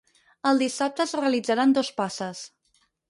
El dissabte es realitzaran dos passes.